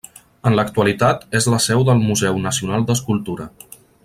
En l'actualitat és la seu del Museu Nacional d'Escultura.